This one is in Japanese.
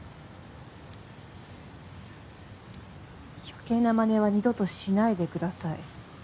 余計なまねは二度としないでください